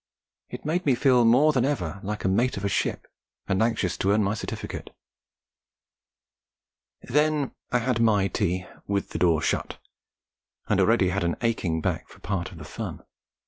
It made me feel more than ever like the mate of a ship, and anxious to earn my certificate. Then I had my tea with the door shut and already an aching back for part of the fun.